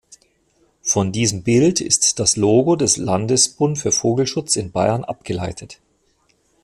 Von diesem Bild ist das Logo des Landesbund für Vogelschutz in Bayern abgeleitet.